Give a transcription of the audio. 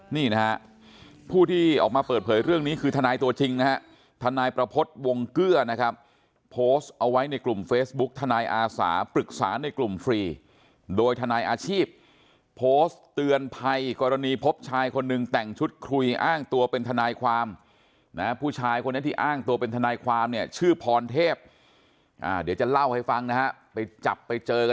นี่นะฮะผู้ที่ออกมาเปิดเผยเรื่องนี้คือทนายตัวจริงนะฮะทนายประพฤติวงเกื้อนะครับโพสต์เอาไว้ในกลุ่มเฟซบุ๊กทนายอาสาปรึกษาในกลุ่มฟรีโดยทนายอาชีพโพสต์เตือนภัยกรณีพบชายคนหนึ่งแต่งชุดคุยอ้างตัวเป็นทนายความนะผู้ชายคนนี้ที่อ้างตัวเป็นทนายความเนี่ยชื่อพรเทพเดี๋ยวจะเล่าให้ฟังนะฮะไปจับไปเจอ